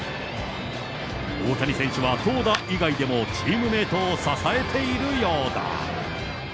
大谷選手は投打以外でも、チームメートを支えているようだ。